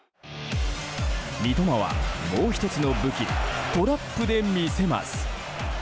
三笘は、もう１つの武器トラップで見せます。